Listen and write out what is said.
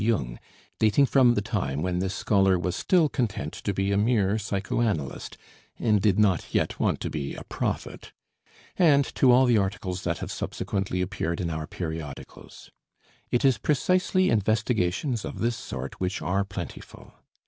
Jung, dating from the time when this scholar was still content to be a mere psychoanalyst and did not yet want to be a prophet; and to all the articles that have subsequently appeared in our periodicals. It is precisely investigations of this sort which are plentiful.